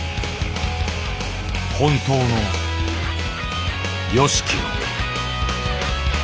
本当のＹＯＳＨＩＫＩを。